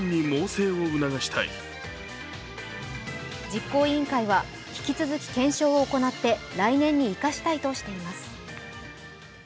実行委員会は引き続き検証を行って来年に生かしたいとしています。